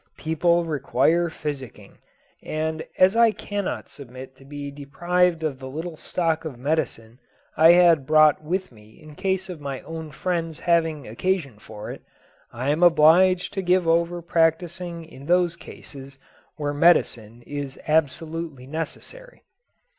People require physicking, and as I cannot submit to be deprived of the little stock of medicine I had brought with me in case of my own friends having occasion for it, I am obliged to give over practising in those cases where medicine is absolutely necessary.